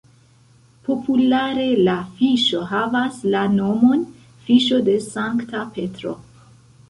Populare la fiŝo havas la nomon "fiŝo de Sankta Petro".